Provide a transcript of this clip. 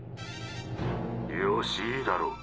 よしいいだろう。